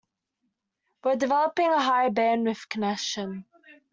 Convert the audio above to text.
We're developing a high bandwidth connection.